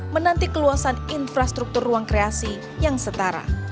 menanti keluasan infrastruktur ruang kreasi yang setara